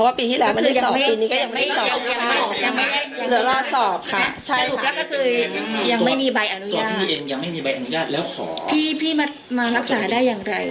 แล้วขอพี่พี่มามารักษาได้อย่างใด